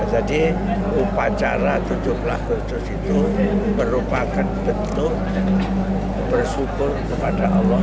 jadi upacara tujuh belah khusus itu merupakan bentuk bersyukur kepada allah